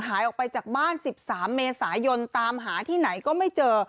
หายออกไปจากบ้าน๑๓เมษายนตามหาที่ไหนก็ไม่เจอ